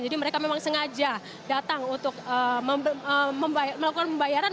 jadi mereka memang sengaja datang untuk melakukan pembayaran